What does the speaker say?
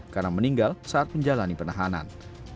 karena meninggal saat menjalani penahanan